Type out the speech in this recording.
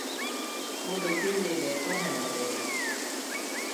我哋捐嘅嘢都係我哋嘅